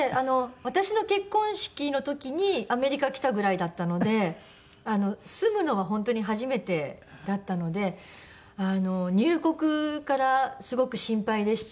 私の結婚式の時にアメリカ来たぐらいだったので住むのは本当に初めてだったので入国からすごく心配でして。